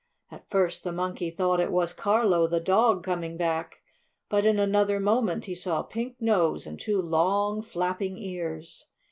At first the Monkey thought it was Carlo, the dog, coming back, but in another moment he saw a pink nose and two long, flapping ears.